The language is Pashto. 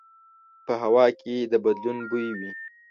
په هوا کې د بدلون بوی وي